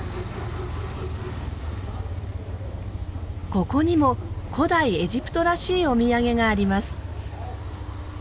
ここにも古代エジプトらしいお土産があります。